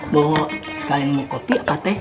bawa sekalian mau kopi apa teh